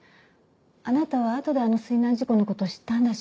あなたはあとであの水難事故の事を知ったんだし。